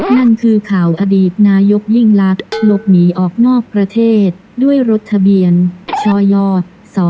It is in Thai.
นั่นคือข่าวอดีตนายกยิ่งลักษณ์หลบหนีออกนอกประเทศด้วยรถทะเบียนชย